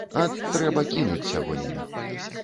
Ат, трэба кінуць сягоння.